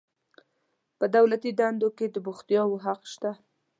په دولتي دندو کې د بوختیدو حق شته.